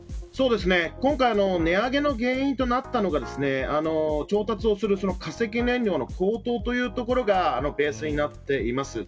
値上げの原因となったのが調達をする化石燃料の高騰というところがベースになっています。